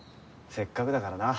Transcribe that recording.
せっかくだからな。